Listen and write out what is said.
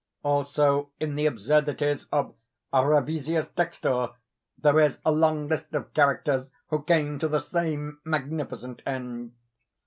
Also in the Absurdities of Ravisius Textor, there is a long list of characters who came to the same magnificent end.